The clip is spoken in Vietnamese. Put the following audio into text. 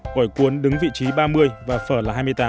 quỏi cuốn đứng vị trí ba mươi và phở là hai mươi tám